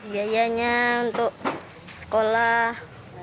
biayanya untuk sekolah